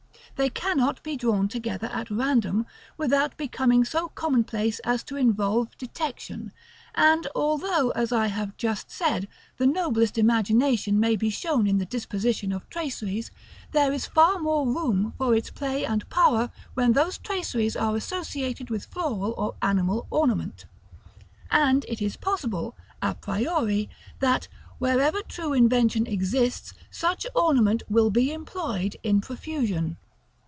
They cannot be drawn altogether at random, without becoming so commonplace as to involve detection: and although, as I have just said, the noblest imagination may be shown in the dispositions of traceries, there is far more room for its play and power when those traceries are associated with floral or animal ornament; and it is probable, à priori, that, wherever true invention exists, such ornament will be employed in profusion.